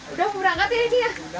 udah berangkat ya ini ya